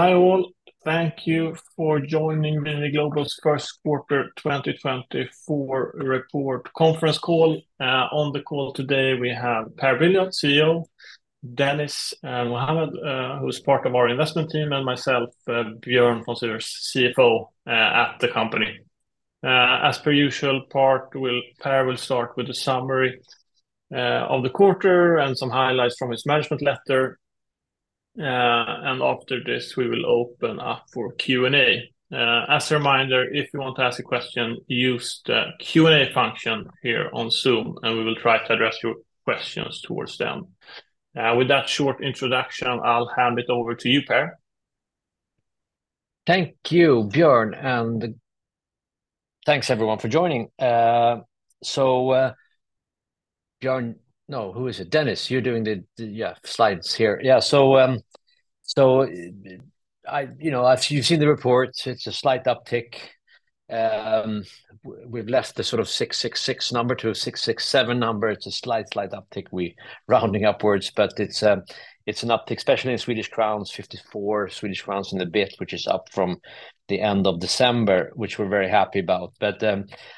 Hi, all. Thank you for joining VNV Global's first quarter 2024 report conference call. On the call today, we have Per Brilioth, CEO; Dennis and Mohammed, who's part of our investment team; and myself, Björn von Sivers, CFO, at the company. As per usual, Per will start with a summary of the quarter and some highlights from his management letter. And after this, we will open up for Q&A. As a reminder, if you want to ask a question, use the Q&A function here on Zoom, and we will try to address your questions towards them. With that short introduction, I'll hand it over to you, Per. Thank you, Björn, and thanks everyone for joining. So, Björn—no, who is it? Dennis, you're doing the slides here. Yeah, so, I—you know, as you've seen the report, it's a slight uptick. We've left the sort of 666 number to a 667 number. It's a slight, slight uptick. We're rounding upwards, but it's an uptick, especially in Swedish crowns, 54 Swedish crowns and a bit, which is up from the end of December, which we're very happy about. But,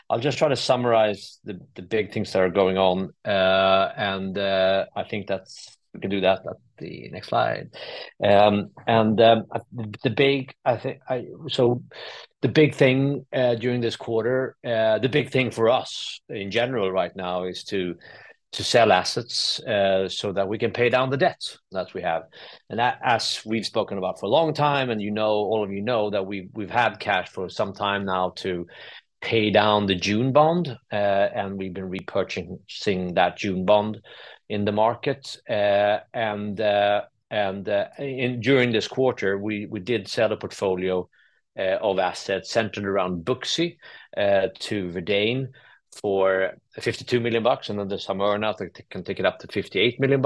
I'll just try to summarize the big things that are going on. And, I think that's—we can do that at the next slide. And, the big... I think, so the big thing during this quarter, the big thing for us in general right now is to sell assets, so that we can pay down the debt that we have. And that, as we've spoken about for a long time, and you know, all of you know, that we've had cash for some time now to pay down the June bond, and we've been repurchasing that June bond in the market. And during this quarter, we did sell a portfolio of assets centered around Booksy to Verdane for $52 million, and under the summer, or now they can take it up to $58 million.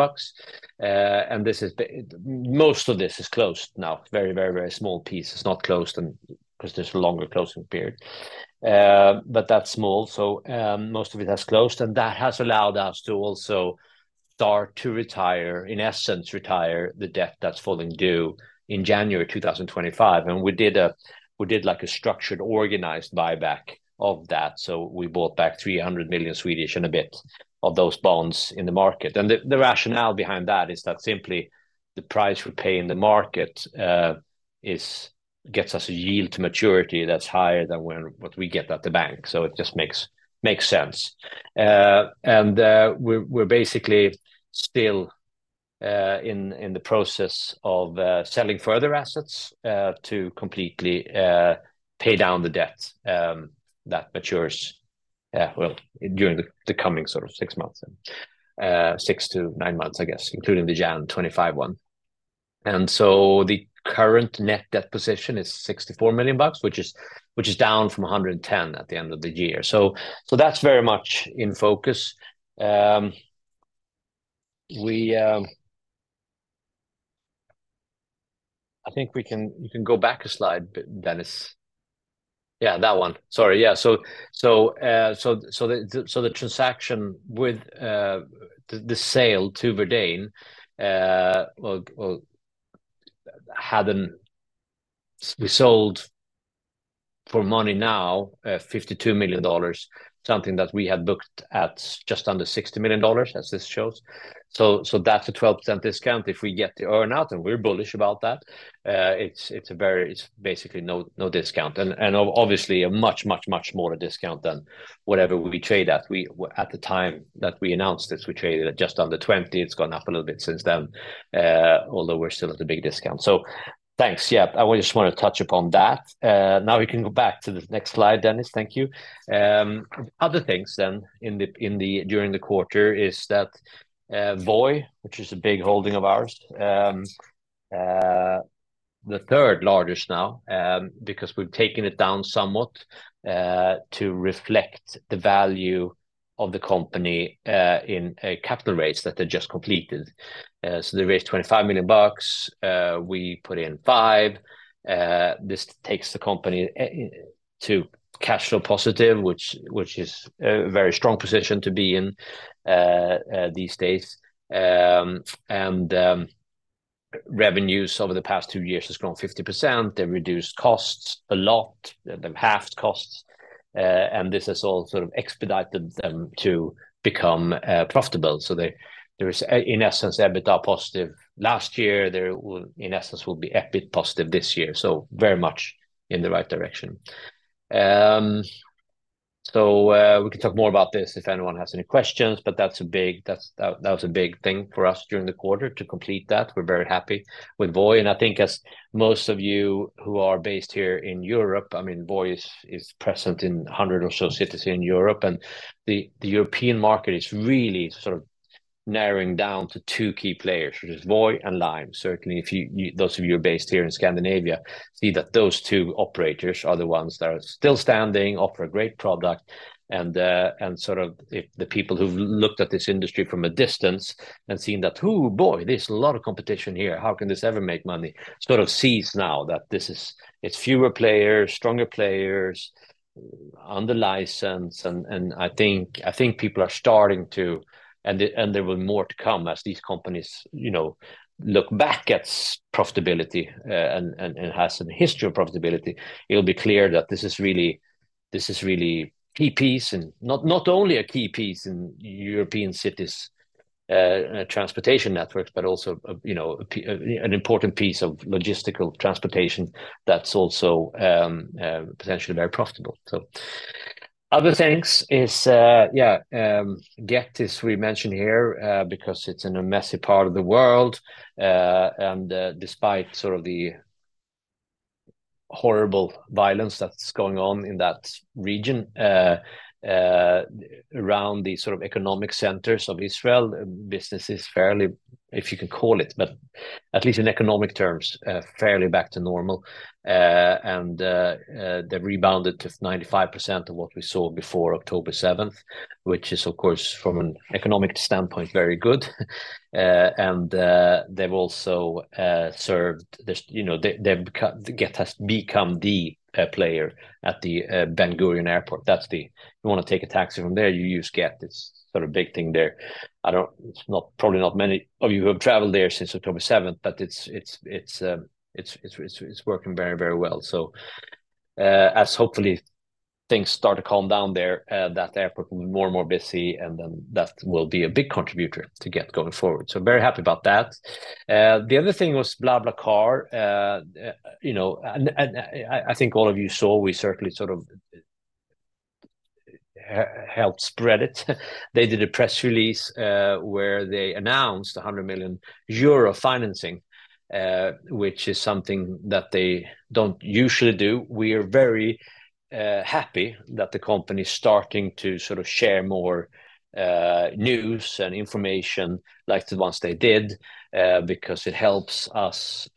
And this is most of this is closed now. Very, very, very small piece is not closed, and 'cause there's a longer closing period. But that's small, so most of it has closed, and that has allowed us to also start to retire, in essence, retire the debt that's falling due in January 2025. We did like a structured, organized buyback of that, so we bought back 300 million and a bit of those bonds in the market. The rationale behind that is that simply the price we pay in the market gets us a yield to maturity that's higher than what we get at the bank. So it just makes sense. And we're basically still in the process of selling further assets to completely pay down the debt that matures well during the coming sort of six months, and six to nine months, I guess, including the Jan 2025 one. And so the current net debt position is $64 million, which is down from $110 million at the end of the year. So that's very much in focus. I think we can- you can go back a slide, Dennis. Yeah, that one. Sorry. Yeah. So the transaction with the sale to Verdane well hadn't-- we sold for money now $52 million, something that we had booked at just under $60 million, as this shows. So that's a 12% discount. If we get the earn-out, and we're bullish about that, it's basically no discount, and obviously a much, much, much more a discount than whatever we trade at. At the time that we announced this, we traded at just under 20. It's gone up a little bit since then, although we're still at a big discount. So thanks. Yeah. I just wanna touch upon that. Now we can go back to the next slide, Dennis. Thank you. Other things then, during the quarter, is that Voi, which is a big holding of ours, the third largest now, because we've taken it down somewhat, to reflect the value of the company, in capital raise that they just completed. So they raised $25 million. We put in $5 million. This takes the company to cash flow positive, which is a very strong position to be in these days. And revenues over the past two years has grown 50%. They've reduced costs a lot. They've halved costs, and this has all sort of expedited them to become profitable. So they, there is, in essence, EBITDA positive. Last year, there will, in essence, will be EBIT positive this year, so very much in the right direction. So we can talk more about this if anyone has any questions, but that's a big-- that's, that, that was a big thing for us during the quarter to complete that. We're very happy with Voi, and I think as most of you who are based here in Europe, I mean, Voi is present in 100 or so cities in Europe, and the European market is really sort of narrowing down to two key players, which is Voi and Lime. Certainly, if you, those of you who are based here in Scandinavia, see that those two operators are the ones that are still standing, offer a great product, and sort of if the people who've looked at this industry from a distance and seen that, "Ooh, boy, there's a lot of competition here. How can this ever make money?" Sort of sees now that this is, it's fewer players, stronger players on the license, and I think people are starting to... And there will be more to come as these companies, you know, look back at profitability, and have some history of profitability. It'll be clear that this is really a key piece, and not only a key piece in European cities transportation networks, but also, you know, an important piece of logistical transportation that's also potentially very profitable. So other things is Gett, as we mentioned here, because it's in a messy part of the world. And despite sort of the horrible violence that's going on in that region, around the sort of economic centers of Israel, business is fairly, if you can call it, but at least in economic terms, fairly back to normal. And, they've rebounded to 95% of what we saw before October 7th, which is, of course, from an economic standpoint, very good. And, they've also served this- you know, they, they've become-- Gett has become the player at the Ben Gurion Airport. That's the-- If you want to take a taxi from there, you use Gett. It's sort of big thing there. I don't-- It's not-- probably not many of you who have traveled there since October 7th, but it's working very, very well. So, as hopefully things start to calm down there, that airport will be more and more busy, and then that will be a big contributor to Gett going forward, so very happy about that. The other thing was BlaBlaCar. You know, I think all of you saw, we certainly sort of helped spread it. They did a press release where they announced 100 million euro financing, which is something that they don't usually do. We are very happy that the company is starting to sort of share more news and information like the ones they did, because it helps us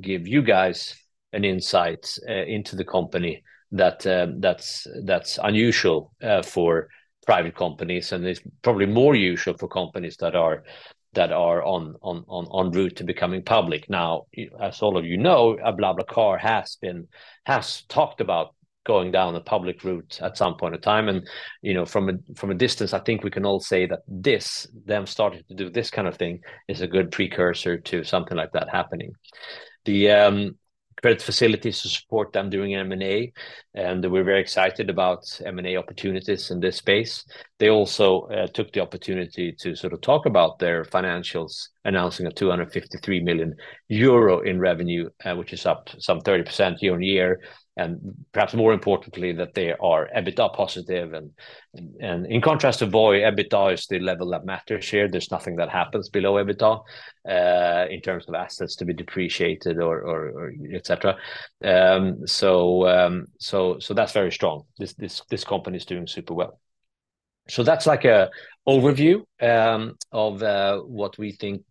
give you guys an insight into the company that's unusual for private companies, and it's probably more usual for companies that are on en route to becoming public. Now, as all of you know, BlaBlaCar has talked about going down a public route at some point in time. You know, from a distance, I think we can all say that this, them starting to do this kind of thing, is a good precursor to something like that happening. The credit facilities to support them doing M&A, and we're very excited about M&A opportunities in this space. They also took the opportunity to sort of talk about their financials, announcing 253 million euro in revenue, which is up some 30% year-on-year, and perhaps more importantly, that they are EBITDA positive. And in contrast to Voi, EBITDA is the level that matters here. There's nothing that happens below EBITDA in terms of assets to be depreciated or et cetera. So that's very strong. This company is doing super well. So that's like a overview of what we think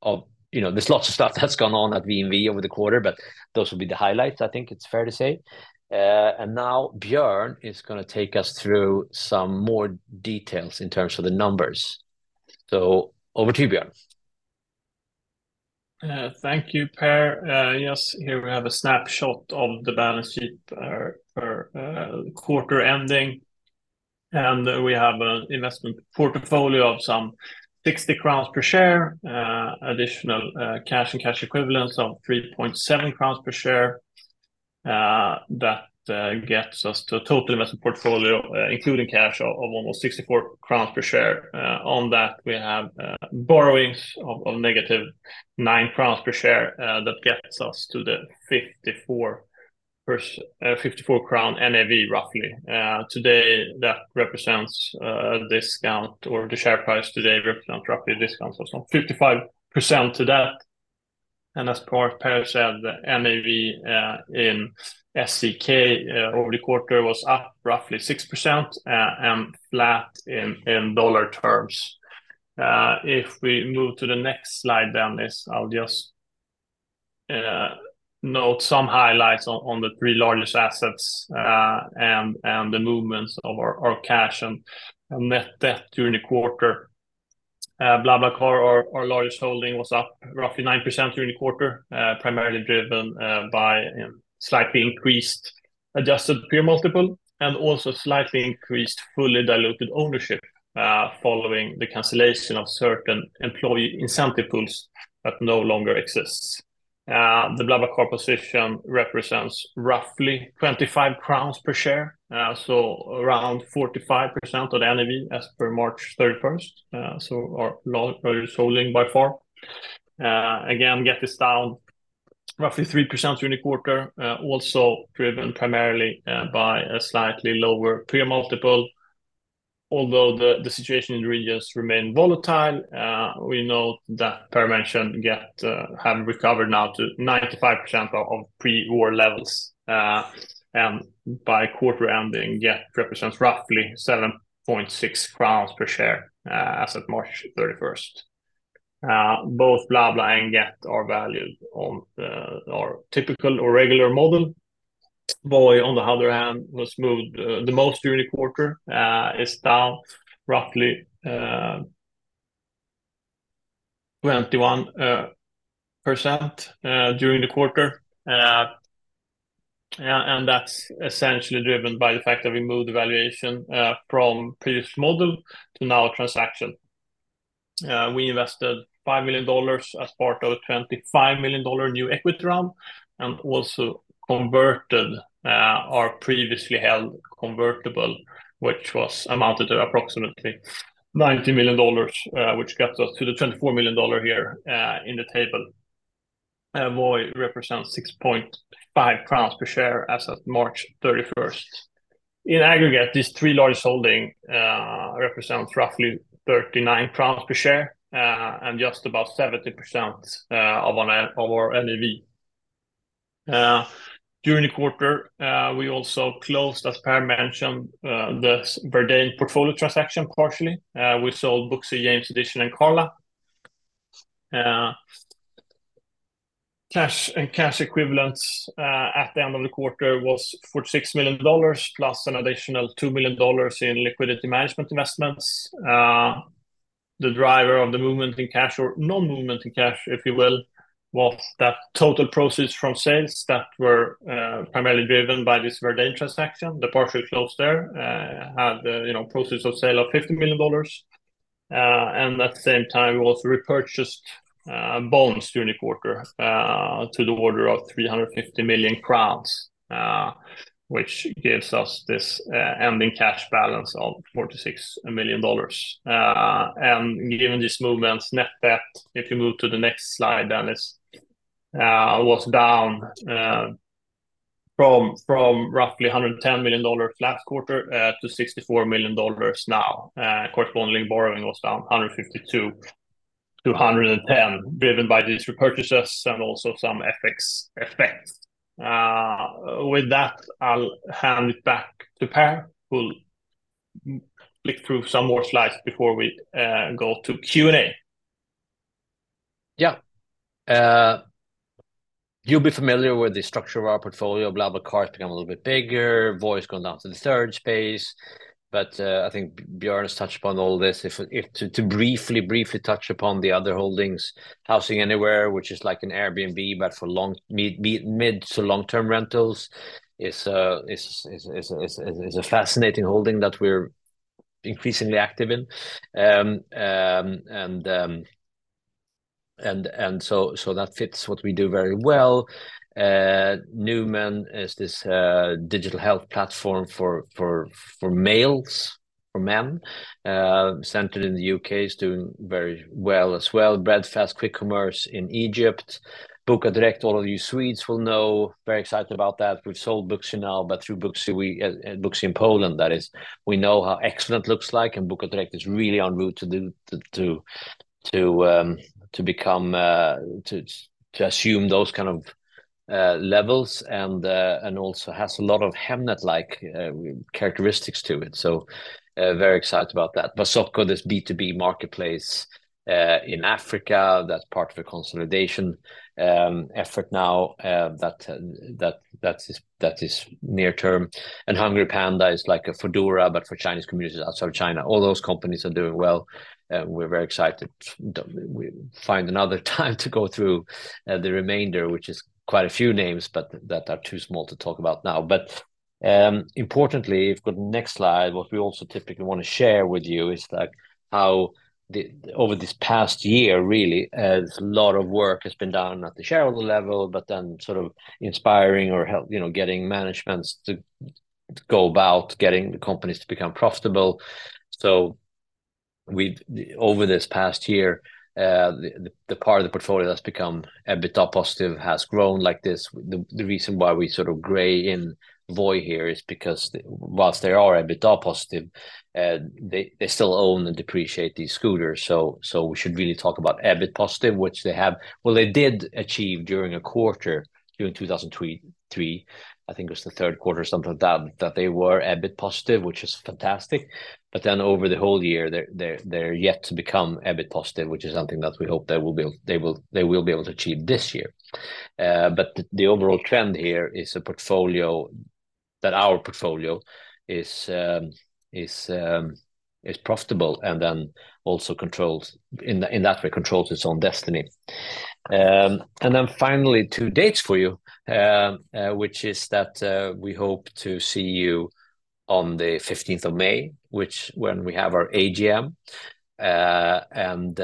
of. You know, there's lots of stuff that's gone on at VNV over the quarter, but those will be the highlights, I think it's fair to say. And now Björn is going to take us through some more details in terms of the numbers. So over to you, Björn. Thank you, Per. Yes, here we have a snapshot of the balance sheet, per quarter ending, and we have an investment portfolio of some 60 crowns per share, additional cash and cash equivalents of 3.7 crowns per share. That gets us to a total investment portfolio, including cash of almost 64 crowns per share. On that, we have borrowings of negative 9 crowns per share, that gets us to the 54 crown NAV, roughly. Today, that represents a discount, or the share price today represent roughly a discount of some 55% to that. As far as Per said, the NAV in SEK over the quarter was up roughly 6%, and flat in dollar terms. If we move to the next slide, then this, I'll just note some highlights on the three largest assets, and the movements of our cash and net debt during the quarter. BlaBlaCar, our largest holding, was up roughly 9% during the quarter, primarily driven by slightly increased adjusted peer multiple, and also slightly increased fully diluted ownership, following the cancellation of certain employee incentive pools that no longer exists. The BlaBlaCar position represents roughly 25 crowns per share, so around 45% of the NAV as per March 31st. So our largest holding by far. Again, Gett is down roughly 3% during the quarter, also driven primarily by a slightly lower peer multiple. Although the situation in the regions remain volatile, we know that Per mentioned Gett have recovered now to 95% of pre-war levels. By quarter ending, Gett represents roughly 7.6 crowns per share, as of March 31st. Both BlaBla and Gett are valued on our typical or regular model. Voi, on the other hand, was moved the most during the quarter, is down roughly 21% during the quarter. And that's essentially driven by the fact that we moved the valuation from previous model to now transaction. We invested $5 million as part of a $25 million new equity round, and also converted our previously held convertible, which was amounted to approximately $90 million, which gets us to the $24 million here in the table. Voi represents 6.5 crowns per share as of March 31st. In aggregate, these three large holding represents roughly 39 crowns per share, and just about 70% of our NAV. During the quarter, we also closed, as Per mentioned, the Verdane portfolio transaction partially. We sold Booksy, JamesEdition, and Carla. Cash and cash equivalents at the end of the quarter was $46 million, plus an additional $2 million in liquidity management investments. The driver of the movement in cash or non-movement in cash, if you will, was that total proceeds from sales that were primarily driven by this Verdane transaction. The partial close there had, you know, proceeds of sale of $50 million. And at the same time, we also repurchased bonds during the quarter to the order of 350 million crowns, which gives us this ending cash balance of $46 million. And given these movements, net debt, if you move to the next slide, then it was down from roughly $110 million last quarter to $64 million now. Corresponding borrowing was down 152-210, driven by these repurchases and also some FX effects. With that, I'll hand it back to Per, who'll flick through some more slides before we go to Q&A. Yeah. You'll be familiar with the structure of our portfolio. BlaBlaCar has become a little bit bigger. Voi's gone down to the third space, but I think Björn has touched upon all this. To briefly touch upon the other holdings, HousingAnywhere, which is like an Airbnb, but for mid- to long-term rentals, is a fascinating holding that we're increasingly active in. And so that fits what we do very well. Numan is this digital health platform for males, for men, centered in the UK, is doing very well as well. Breadfast, quick commerce in Egypt. Bokadirekt, all of you Swedes will know, very excited about that. We've sold Booksy now, but through Booksy, we... Booksy in Poland, that is, we know how excellent looks like, and Bokadirekt is really on track to become, to assume those kind of levels and also has a lot of Hemnet-like characteristics to it. So, very excited about that. Wasoko, this B2B marketplace in Africa, that's part of a consolidation effort now, that is near term. HungryPanda is like a Foodora, but for Chinese communities outside of China. All those companies are doing well, and we're very excited. We find another time to go through the remainder, which is quite a few names, but that are too small to talk about now. But, importantly, if you've got next slide, what we also typically want to share with you is, like, how the over this past year, really, a lot of work has been done at the shareholder level, but then sort of inspiring or help, you know, getting managements to go about getting the companies to become profitable. So we'd over this past year, the part of the portfolio that's become EBITDA positive has grown like this. The reason why we sort of gray in Voi here is because whilst they are EBITDA positive, they still own and depreciate these scooters. So we should really talk about EBIT positive, which they have. Well, they did achieve during a quarter, during 2023 Q3, I think it was the third quarter, sometime that they were EBIT positive, which is fantastic. But then over the whole year, they're yet to become EBIT positive, which is something that we hope they will be, they will be able to achieve this year. But the overall trend here is a portfolio that our portfolio is profitable and then also controls its own destiny in that way. And then finally, two dates for you, which is that we hope to see you on the 15th of May, which when we have our AGM, and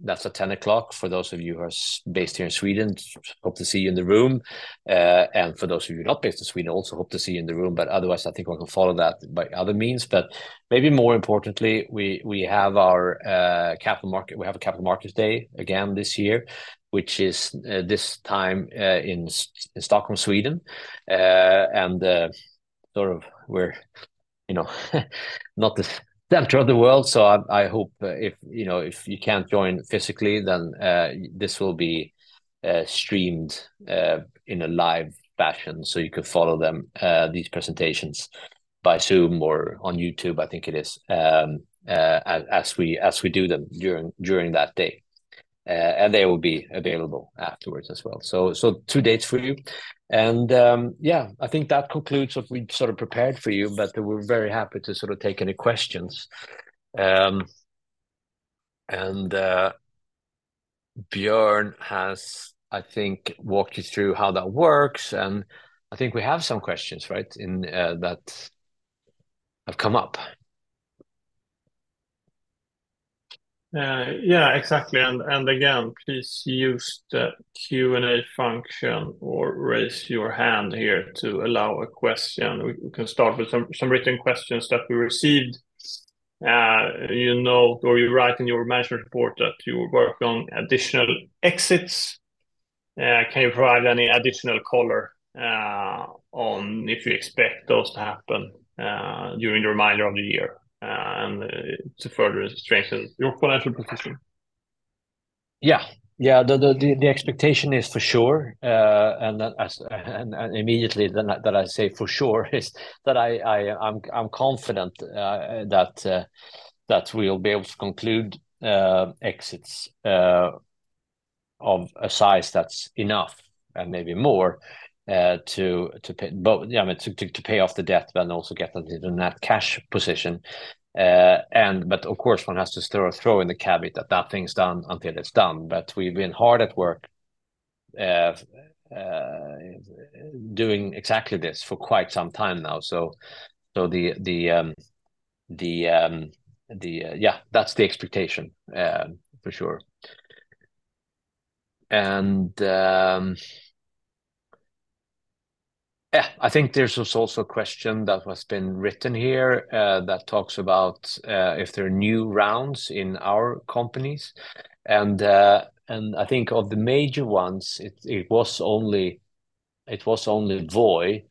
that's at 10:00 A.M. For those of you who are based here in Sweden, hope to see you in the room. And for those of you not based in Sweden, also hope to see you in the room, but otherwise, I think we can follow that by other means. But maybe more importantly, we have our Capital Markets Day again this year, which is this time in Stockholm, Sweden. And sort of we're, you know, not the center of the world, so I hope if, you know, if you can't join physically, then this will be streamed in a live fashion, so you can follow them, these presentations by Zoom or on YouTube, I think it is, as we do them during that day. And they will be available afterwards as well. So two dates for you. And yeah, I think that concludes what we sort of prepared for you, but we're very happy to sort of take any questions. And Björn has, I think, walked you through how that works, and I think we have some questions, right, that have come up? Yeah, exactly. And again, please use the Q&A function or raise your hand here to allow a question. We can start with some written questions that we received. You know, or you write in your management report that you work on additional exits. Can you provide any additional color on if you expect those to happen during the remainder of the year and to further strengthen your financial position? Yeah. Yeah, the expectation is for sure, and that – and immediately then that I say for sure is that I'm confident that we'll be able to conclude exits of a size that's enough and maybe more to pay... But, yeah, I mean, to pay off the debt, but then also get into the net cash position. And but of course, one has to throw in the caveat that that thing's done until it's done. But we've been hard at work doing exactly this for quite some time now. So the... Yeah, that's the expectation for sure. And, yeah, I think there's also a question that has been written here that talks about if there are new rounds in our companies. And I think of the major ones, it was only Voi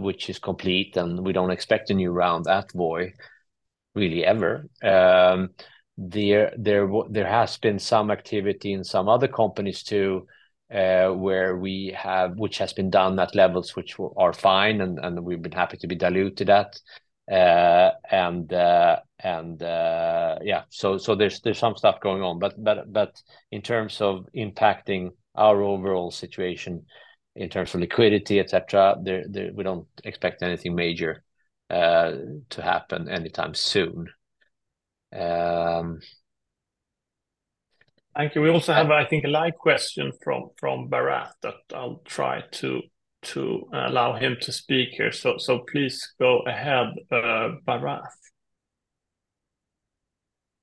which is complete, and we don't expect a new round at Voi really ever. There has been some activity in some other companies, too, which has been done at levels which are fine, and we've been happy to be diluted at. Yeah, so there's some stuff going on. But in terms of impacting our overall situation, in terms of liquidity, et cetera, there. We don't expect anything major to happen anytime soon. Thank you. We also have, I think, a live question from Bharath that I'll try to allow him to speak here. So please go ahead, Bharath.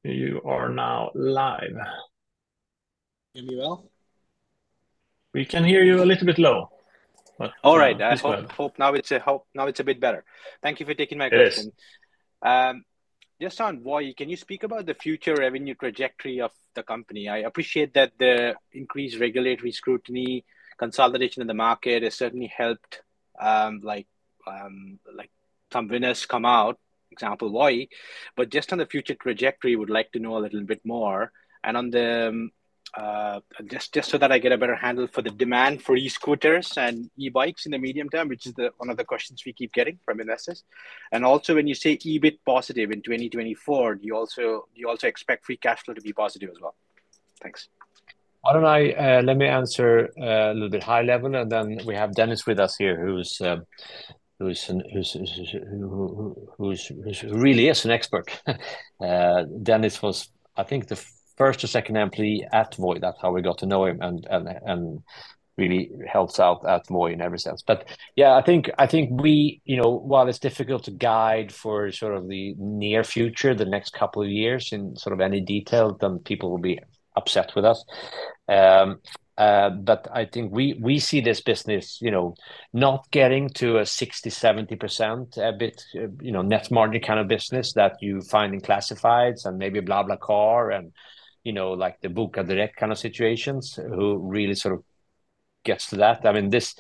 You are now live. Can you hear me well? We can hear you a little bit low, but- All right. It's fine. I hope now it's a bit better. Thank you for taking my question. Yes. Just on Voi, can you speak about the future revenue trajectory of the company? I appreciate that the increased regulatory scrutiny, consolidation in the market has certainly helped, like, like some winners come out, example, Voi. But just on the future trajectory, would like to know a little bit more. And on the, just, just so that I get a better handle for the demand for e-scooters and e-bikes in the medium term, which is the, one of the questions we keep getting from investors. And also, when you say EBIT positive in 2024, do you also, do you also expect free cash flow to be positive as well? Thanks. Why don't I let me answer a little bit high level, and then we have Dennis with us here, who's really an expert. Dennis was, I think, the first or second employee at Voi. That's how we got to know him and really helps out at Voi in every sense. But yeah, I think we, you know, while it's difficult to guide for sort of the near future, the next couple of years in sort of any detail, then people will be upset with us. But I think we see this business, you know, not getting to a 60%-70% EBIT, you know, net margin kind of business that you find in classifieds and maybe BlaBlaCar and, you know, like the Bokadirekt kind of situations, who really sort of gets to that. I mean, this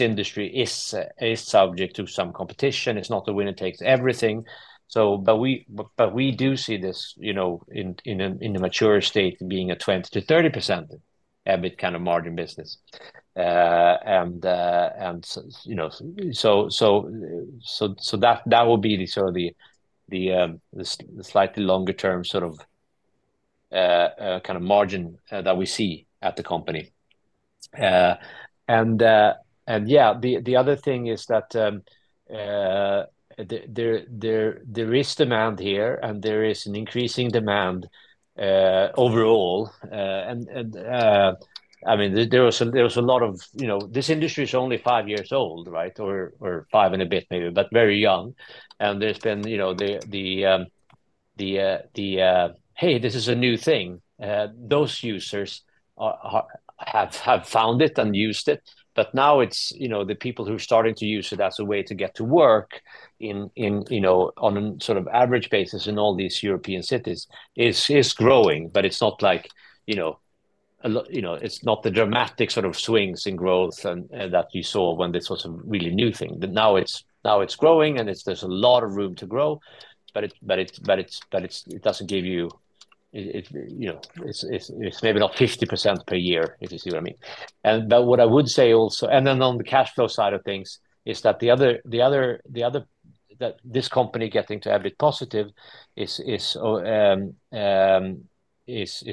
industry is subject to some competition. It's not the winner takes everything, so but we do see this, you know, in a mature state, being a 20%-30% EBIT kind of margin business. And you know, so that will be the sort of the slightly longer term, sort of kind of margin that we see at the company. And yeah, the other thing is that there is demand here, and there is an increasing demand overall. And I mean, there was a lot of... You know, this industry is only five years old, right? Or five and a bit maybe, but very young. And there's been, you know, the "Hey, this is a new thing," those users have found it and used it, but now it's, you know, the people who are starting to use it as a way to get to work in, you know, on a sort of average basis in all these European cities, is growing. But it's not like, you know, it's not the dramatic sort of swings in growth and that you saw when this was a really new thing. But now it's growing, and there's a lot of room to grow, but it's... It doesn't give you, you know, it's maybe not 50% per year, if you see what I mean. But what I would say also, and then on the cash flow side of things, is that this company getting to EBIT positive is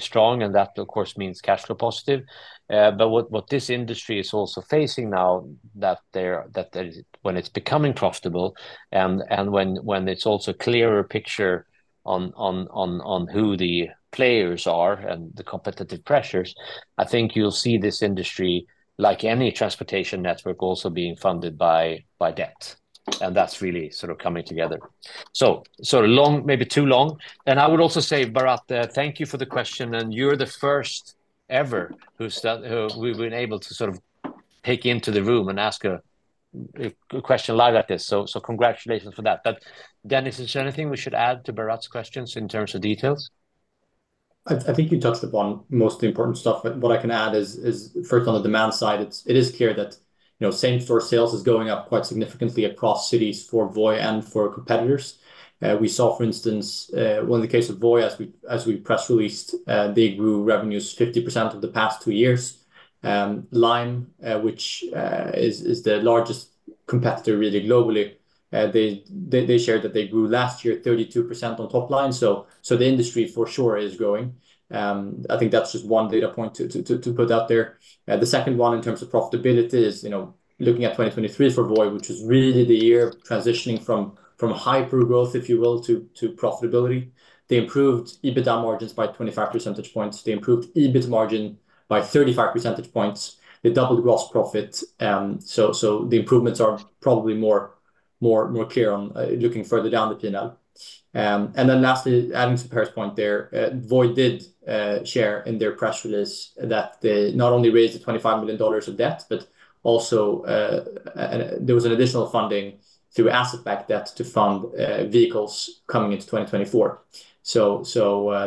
strong, and that, of course, means cash flow positive. But what this industry is also facing now that there's when it's becoming profitable, and when it's also clearer picture on who the players are and the competitive pressures, I think you'll see this industry, like any transportation network, also being funded by debt, and that's really sort of coming together. So long, maybe too long. And I would also say, Bharath, thank you for the question, and you're the first ever who we've been able to sort of take into the room and ask a question live like this. So congratulations for that. But Dennis, is there anything we should add to Bharath's questions in terms of details? I think you touched upon most of the important stuff. But what I can add is first, on the demand side, it is clear that, you know, same store sales is going up quite significantly across cities for Voi and for competitors. We saw, for instance, in the case of Voi, as we press released, they grew revenues 50% over the past two years. Lime, which is the largest competitor really globally, they shared that they grew last year 32% on top line. So the industry, for sure, is growing. I think that's just one data point to put out there. The second one in terms of profitability is, you know, looking at 2023 for Voi, which is really the year transitioning from hypergrowth, if you will, to profitability. They improved EBITDA margins by 25 percentage points. They improved EBIT margin by 35 percentage points. They doubled gross profit. So the improvements are probably more clear on looking further down the P&L. And then lastly, adding to Per's point there, Voi did share in their press release that they not only raised $25 million of debt, but also there was an additional funding through asset-backed debt to fund vehicles coming into 2024. So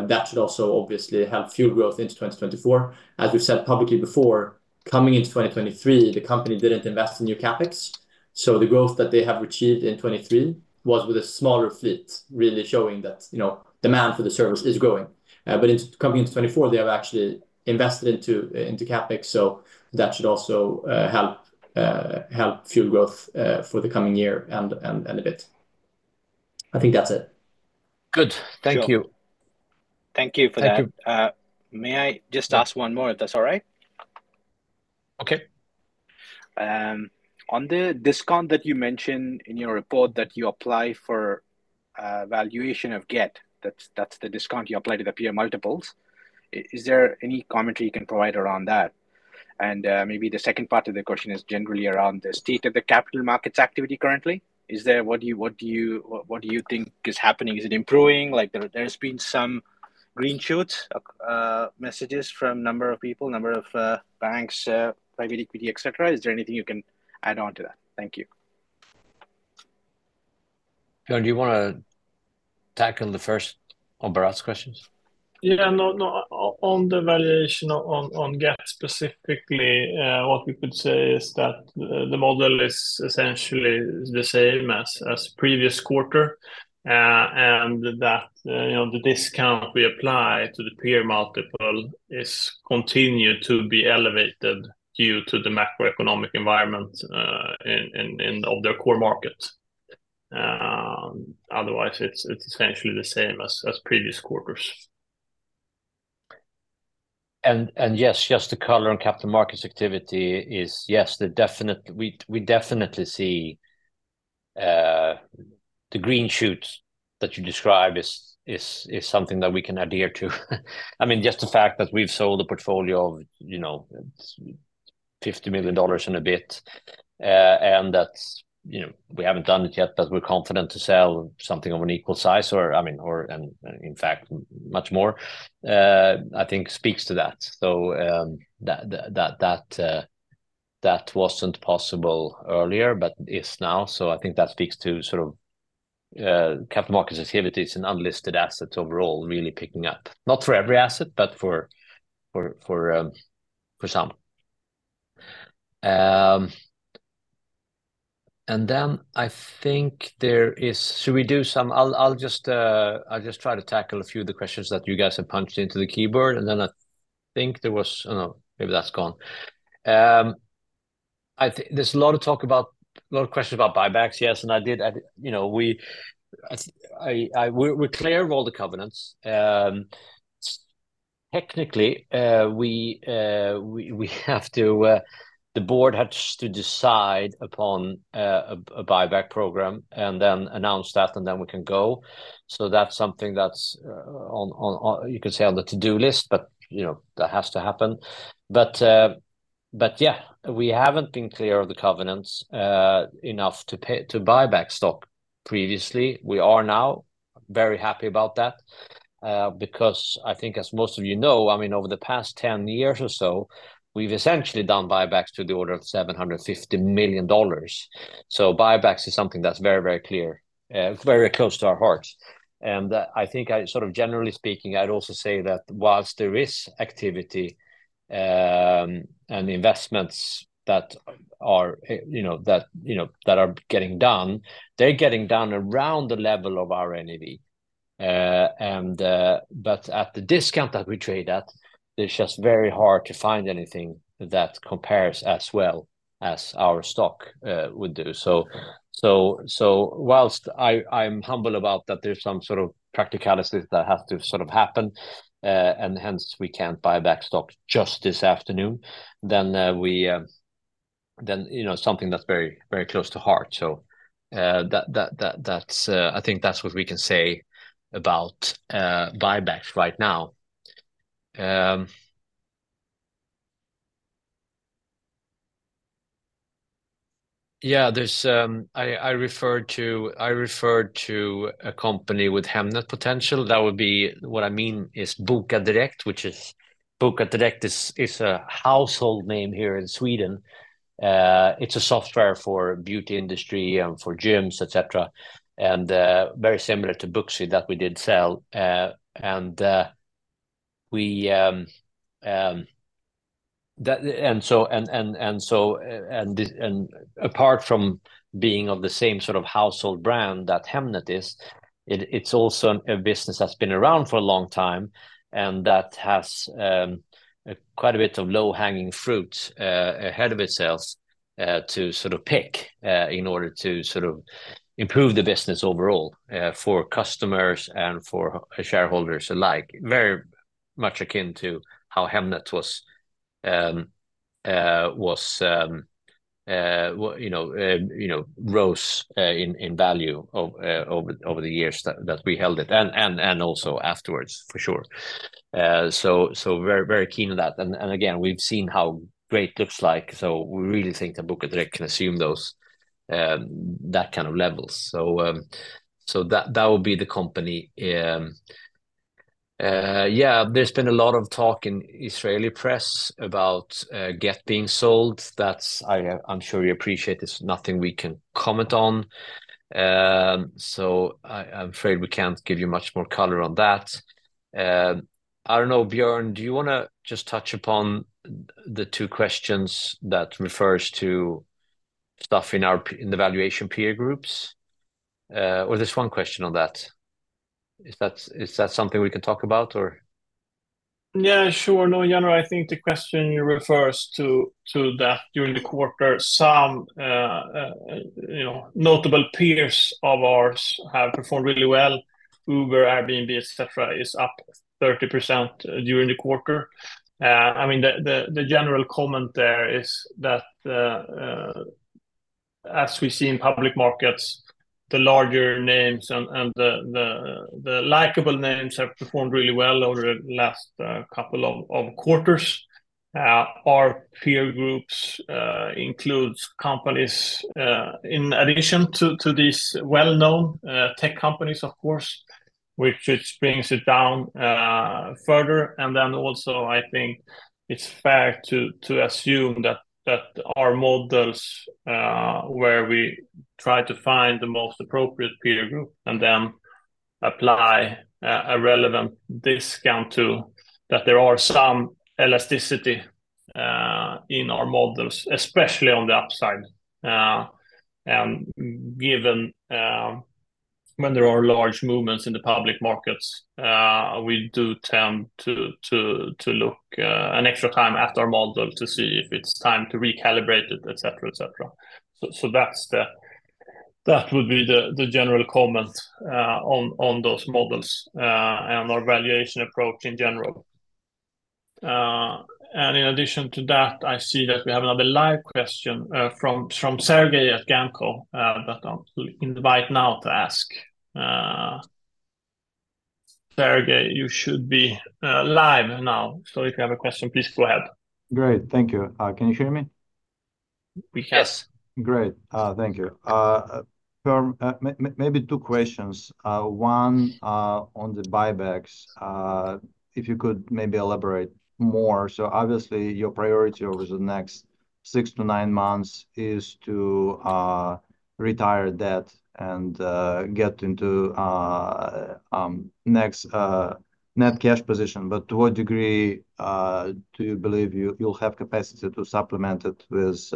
that should also obviously help fuel growth into 2024. As we've said publicly before, coming into 2023, the company didn't invest in new CapEx. So the growth that they have achieved in 2023 was with a smaller fleet, really showing that, you know, demand for the service is growing. But it's coming into 2024, they have actually invested into CapEx, so that should also help fuel growth for the coming year and a bit. I think that's it. Good. Thank you. Sure. Thank you for that. Thank you. May I just ask one more, if that's all right? Okay. On the discount that you mentioned in your report that you apply for valuation of Gett, that's the discount you apply to the peer multiples. Is there any commentary you can provide around that? And maybe the second part of the question is generally around the state of the capital markets activity currently. What do you think is happening? Is it improving? Like, there's been some green shoots messages from a number of people, a number of banks, private equity, et cetera. Is there anything you can add on to that? Thank you. Björn, do you wanna tackle the first on Bharath's questions? Yeah. No, no, on the valuation on Gett specifically, what we could say is that the model is essentially the same as previous quarter. And that, you know, the discount we apply to the peer multiple is continued to be elevated due to the macroeconomic environment in their core market. Otherwise, it's essentially the same as previous quarters. Yes, just to color on capital markets activity, yes, we definitely see the green shoots that you described is something that we can adhere to. I mean, just the fact that we've sold a portfolio of, you know, $50 million and a bit, and that, you know, we haven't done it yet, but we're confident to sell something of an equal size or, I mean, or, and in fact, much more, I think speaks to that. So, that wasn't possible earlier, but is now, so I think that speaks to sort of capital markets activities and unlisted assets overall really picking up. Not for every asset, but for some. And then I think there is... I'll just try to tackle a few of the questions that you guys have punched into the keyboard, and then I think there was... Oh, no, maybe that's gone. I think there's a lot of talk about, a lot of questions about buybacks. Yes, and, you know, we're clear of all the covenants. Technically, we have to, the board has to decide upon a buyback program and then announce that, and then we can go. So that's something that's on, you could say, on the to-do list, but, you know, that has to happen. But yeah, we haven't been clear of the covenants enough to buy back stock previously. We are now very happy about that, because I think, as most of you know, I mean, over the past 10 years or so, we've essentially done buybacks to the order of $750 million. So buybacks is something that's very, very clear, very close to our hearts. And I think I sort of generally speaking, I'd also say that while there is activity, and investments that are, you know, that, you know, that are getting done, they're getting done around the level of our NAV, and, but at the discount that we trade at, it's just very hard to find anything that compares as well as our stock, would do. So while I, I'm humble about that there's some sort of practicalities that have to sort of happen, and hence we can't buy back stock just this afternoon, then, we... then, you know, something that's very, very close to heart. So, that, that's, I think that's what we can say about buybacks right now. Yeah, there's, I referred to a company with Hemnet potential. That would be... What I mean is Bokadirekt, which is Bokadirekt is a household name here in Sweden. It's a software for beauty industry and for gyms, et cetera, and very similar to Booksy that we did sell. Apart from being of the same sort of household brand that Hemnet is, it's also a business that's been around for a long time, and that has quite a bit of low-hanging fruit ahead of itself to sort of pick in order to sort of improve the business overall for customers and for shareholders alike. Very much akin to how Hemnet was, well, you know, rose in value over the years that we held it, and also afterwards, for sure. So very, very keen on that. Again, we've seen how great looks like, so we really think that Bokadirekt can assume those, that kind of levels. So, that would be the company. Yeah, there's been a lot of talk in Israeli press about Gett being sold. That's. I'm sure you appreciate it's nothing we can comment on. So, I'm afraid we can't give you much more color on that. I don't know, Björn, do you wanna just touch upon the two questions that refers to stuff in our in the valuation peer groups? Or there's one question on that. Is that something we can talk about or? Yeah, sure. No, Jan, I think the question you refers to, to that during the quarter, some, you know, notable peers of ours have performed really well. Uber, Airbnb, et cetera, is up 30% during the quarter. I mean, the general comment there is that, as we see in public markets, the larger names and the likeable names have performed really well over the last couple of quarters. Our peer groups includes companies in addition to these well-known tech companies, of course, which just brings it down further. And then also, I think it's fair to assume that our models where we try to find the most appropriate peer group and then apply a relevant discount to that there are some elasticity in our models, especially on the upside. And given when there are large movements in the public markets, we do tend to look an extra time at our model to see if it's time to recalibrate it, et cetera, et cetera. So that's the... That would be the general comment on those models and our valuation approach in general. And in addition to that, I see that we have another live question from Sergey at GAMCO that I'll invite now to ask. Sergey, you should be live now. If you have a question, please go ahead. Great. Thank you. Can you hear me? We can. Great. Thank you. Maybe two questions. One, on the buybacks. If you could maybe elaborate more. So obviously, your priority over the next six to nine months is to retire debt and get into a net cash position. But to what degree do you believe you'll have capacity to supplement it with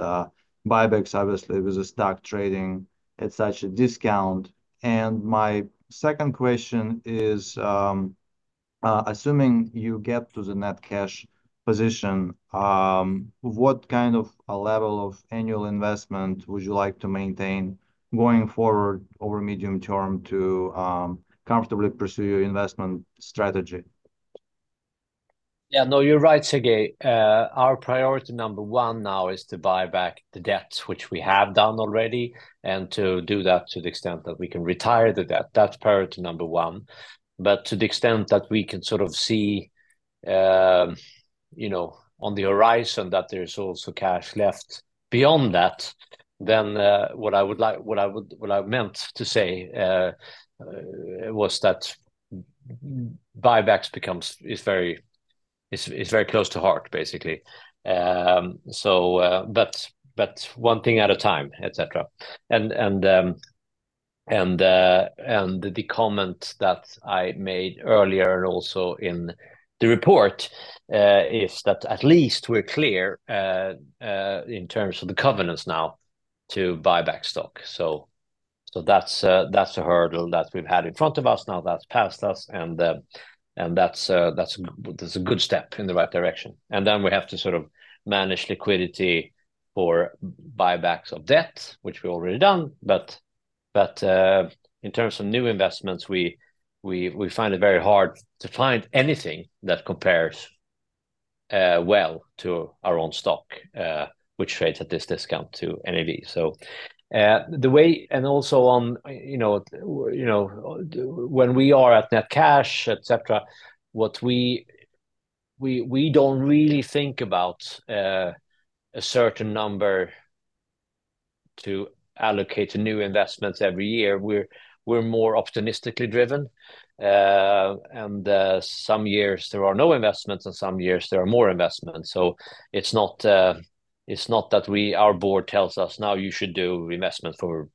buybacks, obviously, with the stock trading at such a discount? And my second question is, assuming you get to the net cash position, what kind of a level of annual investment would you like to maintain going forward over medium term to comfortably pursue your investment strategy? Yeah, no, you're right, Sergey. Our priority number one now is to buy back the debts, which we have done already, and to do that to the extent that we can retire the debt. That's priority number one. But to the extent that we can sort of see, you know, on the horizon that there's also cash left beyond that, then, what I would like- what I would- what I meant to say, was that buybacks becomes... It's very, it's, it's very close to heart, basically. So, but, but one thing at a time, et cetera. And the comment that I made earlier, and also in the report, is that at least we're clear, in terms of the covenants now to buy back stock. So that's a hurdle that we've had in front of us. Now, that's past us, and that's a good step in the right direction. And then we have to sort of manage liquidity for buybacks of debt, which we've already done. But in terms of new investments, we find it very hard to find anything that compares well to our own stock, which trades at this discount to NAV. So, and also, you know, when we are at net cash, et cetera, what we don't really think about a certain number to allocate to new investments every year. We're more opportunistically driven. And some years there are no investments, and some years there are more investments. So it's not, it's not that we, our board tells us, "Now you should do investments for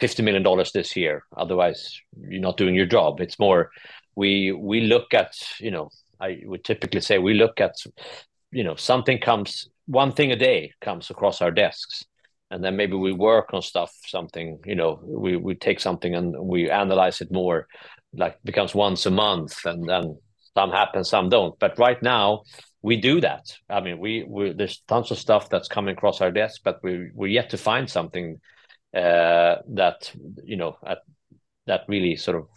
$50 million this year; otherwise, you're not doing your job." It's more we look at, you know. I would typically say we look at, you know, one thing a day comes across our desks, and then maybe we work on stuff, something. You know, we take something, and we analyze it more, like, becomes once a month, and then some happen, some don't. But right now, we do that. I mean, there's tons of stuff that's coming across our desks, but we, we're yet to find something, that, you know, that really sort of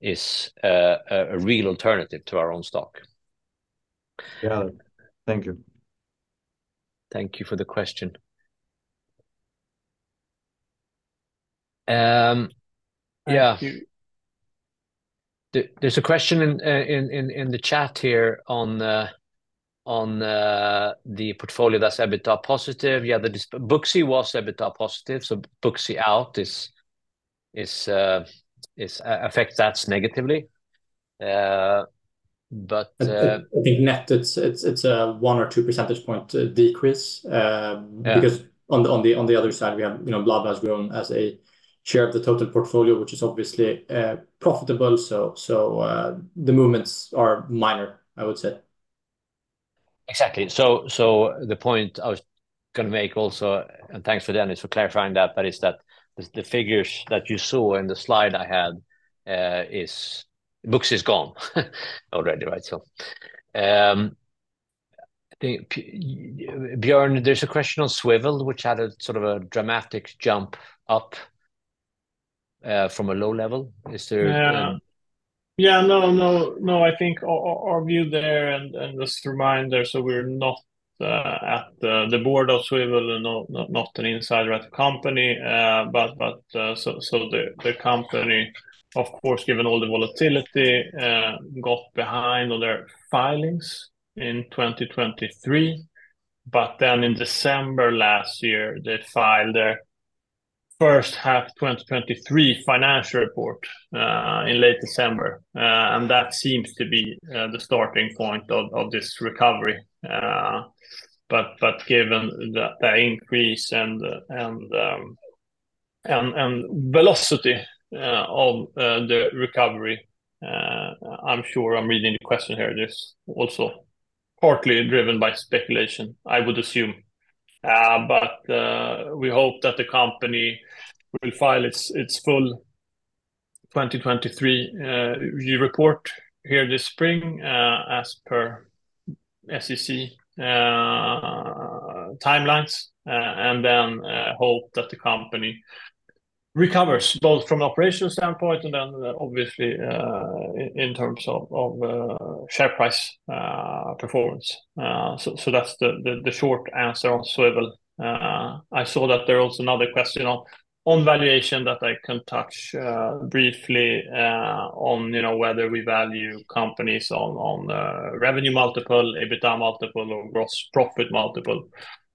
is, a real alternative to our own stock. Yeah. Thank you. Thank you for the question. Yeah. Thank you. There, there's a question in the chat here on the portfolio that's EBITDA positive. Yeah, the Booksy was EBITDA positive, so Booksy out is affect that negatively. But, I think net, it's a 1-2 percentage point decrease. Yeah... because on the other side, we have, you know, BlaBlaCar has grown as a share of the total portfolio, which is obviously profitable. So, the movements are minor, I would say. Exactly. So, the point I was gonna make also, and thanks for Dennis for clarifying that, but is that the figures that you saw in the slide I had is Booksy is gone already, right? So, I think, Björn, there's a question on Swvl, which had a sort of a dramatic jump up from a low level. Is there- Yeah. Yeah, no, no, no, I think our view there, and just to remind there, so we're not at the board of Swvl and not an insider at the company. But, so the company, of course, given all the volatility, got behind on their filings in 2023. But then in December last year, they filed their first half 2023 financial report in late December. And that seems to be the starting point of this recovery. But given the increase and the velocity of the recovery, I'm sure I'm reading the question here. It is also partly driven by speculation, I would assume. But we hope that the company will file its full 2023 report here this spring, as per SEC timelines, and then hope that the company recovers, both from an operational standpoint and then, obviously, in terms of share price performance. So that's the short answer on Swvl. I saw that there was another question on valuation that I can touch briefly on, you know, whether we value companies on revenue multiple, EBITDA multiple, or gross profit multiple.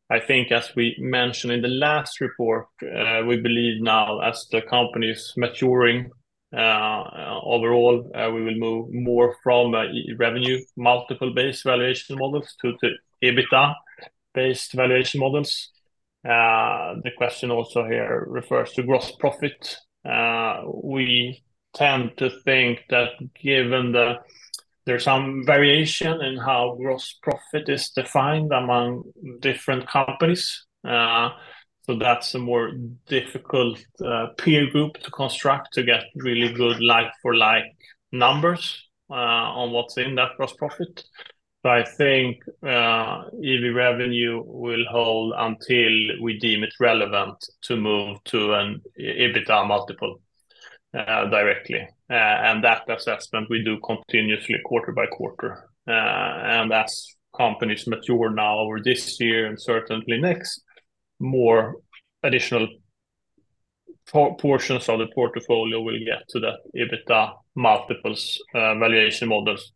I think as we mentioned in the last report, we believe now as the company is maturing overall, we will move more from a revenue multiple-based valuation models to the EBITDA-based valuation models. The question also here refers to gross profit. We tend to think that given the... There's some variation in how gross profit is defined among different companies. So that's a more difficult peer group to construct to get really good like-for-like numbers on what's in that gross profit. But I think EV revenue will hold until we deem it relevant to move to an EBITDA multiple directly. And that assessment we do continuously quarter by quarter. And as companies mature now over this year and certainly next, more additional portions of the portfolio will get to the EBITDA multiples valuation models,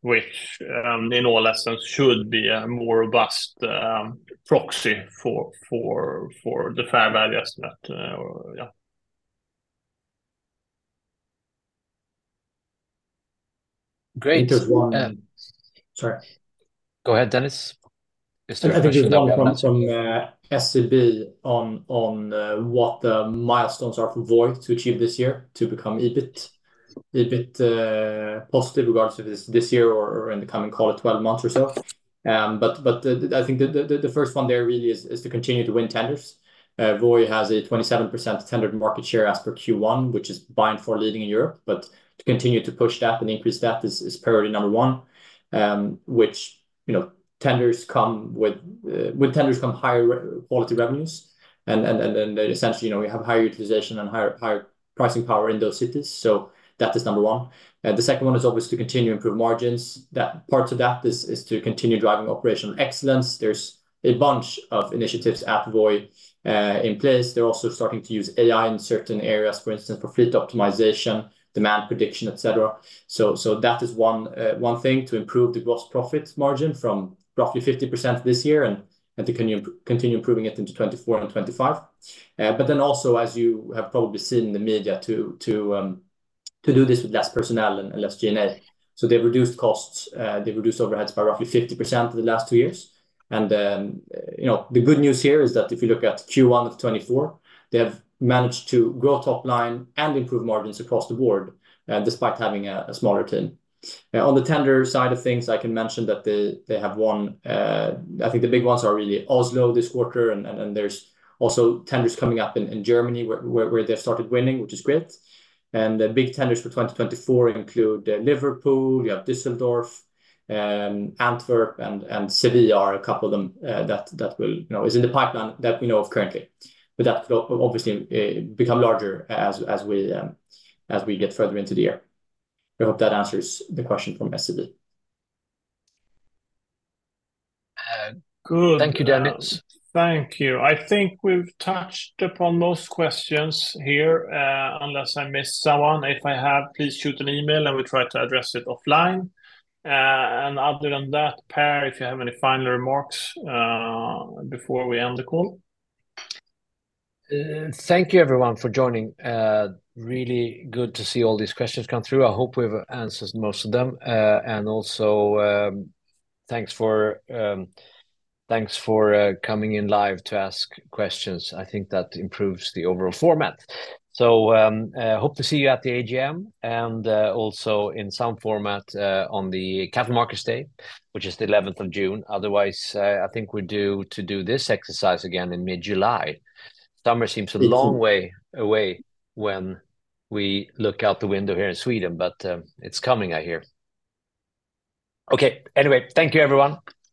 which in all essence should be a more robust proxy for the fair value estimate, or yeah. Great. There's one- Sorry. Go ahead, Dennis. I think there's one coming from SEB on what the milestones are for Voi to achieve this year to become EBIT? A bit positive regards to this year or in the coming, call it, 12 months or so. But the, I think the first one there really is to continue to win tenders. Voi has a 27% tender market share as per Q1, which is by far leading in Europe. But to continue to push that and increase that is priority number one, which, you know, tenders come with tenders come higher-quality revenues. And then essentially, you know, we have higher utilization and higher pricing power in those cities, so that is number one. The second one is always to continue improve margins. Parts of that is to continue driving operational excellence. There's a bunch of initiatives at Voi in place. They're also starting to use AI in certain areas, for instance, for fleet optimization, demand prediction, et cetera. So that is one thing to improve the gross profit margin from roughly 50% this year, and to continue improving it into 2024 and 2025. But then also, as you have probably seen in the media, to do this with less personnel and less G&A. So they've reduced costs, they've reduced overheads by roughly 50% in the last two years. And then, you know, the good news here is that if you look at Q1 of 2024, they have managed to grow top line and improve margins across the board, despite having a smaller team. On the tender side of things, I can mention that they have won. I think the big ones are really Oslo this quarter, and there's also tenders coming up in Germany, where they've started winning, which is great. And the big tenders for 2024 include Liverpool, you have Düsseldorf, Antwerp, and Seville are a couple of them, that will, you know, is in the pipeline that we know of currently. But that could obviously become larger as we get further into the year. I hope that answers the question from SEB. Uh, good. Thank you, Dennis. Thank you. I think we've touched upon most questions here, unless I missed someone. If I have, please shoot an email, and we'll try to address it offline. Other than that, Per, if you have any final remarks before we end the call? Thank you everyone for joining. Really good to see all these questions come through. I hope we've answered most of them. And also, thanks for coming in live to ask questions. I think that improves the overall format. So, hope to see you at the AGM and also in some format on the Capital Markets Day, which is the 11th of June. Otherwise, I think we're due to do this exercise again in mid-July. Summer seems- Mm a long way away when we look out the window here in Sweden, but, it's coming, I hear. Okay. Anyway, thank you, everyone. Thank you.